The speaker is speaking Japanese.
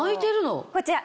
こちら。